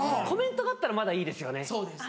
コメントがあったらまだいいですよね。